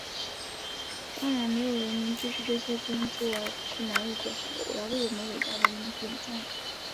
当然，没有人民支持，这些工作是难以做好的，我要为我们伟大的人民点赞。